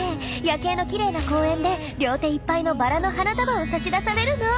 夜景のきれいな公園で両手いっぱいのバラの花束を差し出されるの。